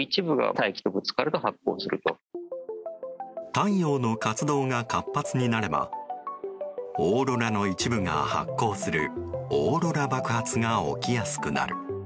太陽の活動が活発になればオーロラの一部が発光するオーロラ爆発が起きやすくなる。